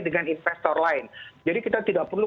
dengan investor lain jadi kita tidak perlu